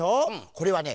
これはね